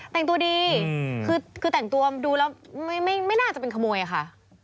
แต่งตัวดีคือแต่งตัวดูแล้วไม่น่าจะเป็นขโมยค่ะ